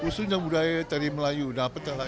khususnya budaya dari melayu dan apa terakhir